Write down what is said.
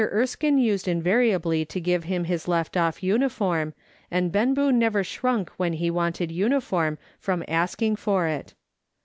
Erskine used invariably to give him his left off uniform, and Benboo never shrunk when he wanted uniform from asking for it.